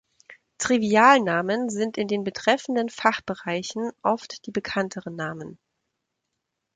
Trivialnamen sind in den betreffenden Fachbereichen oft die bekannteren Namen.